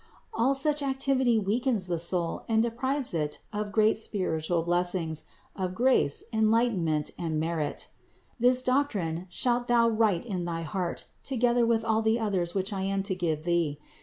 All such activity weakens the soul and deprives it of great spiritual blessings, of grace, enlightenment and merit. 551. This doctrine shalt thou write in thy heart to gether with all the others which I am to give thee.